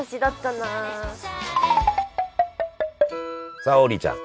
さあ王林ちゃん。